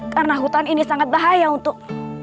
karena hutan ini sangat bahaya untuk